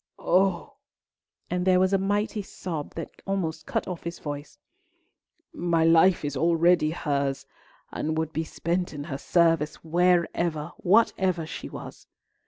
"Oh"—and there was a mighty sob that almost cut off his voice—"My life is already hers, and would be spent in her service wherever, whatever she was."